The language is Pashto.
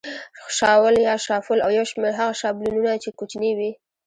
شاول یا شافول او یو شمېر هغه شابلونونه چې کوچني وي.